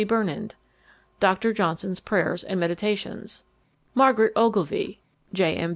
Burnand Dr. Johnson's Prayers and Meditations Margaret Ogilvy: J. M.